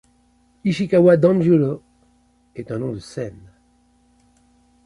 Ichikawa Danjūrō est un nom de scène.